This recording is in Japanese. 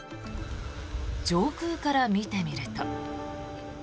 上空から見てみると。